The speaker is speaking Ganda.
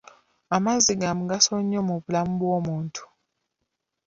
Amazzi ga mugaso nnyo mu bulamu bw'omuntu.